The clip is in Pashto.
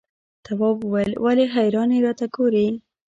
تواب وويل: ولې حیرانې راته ګوري؟